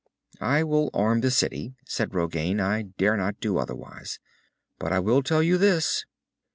"I will arm the city," said Rogain. "I dare not do otherwise. But I will tell you this."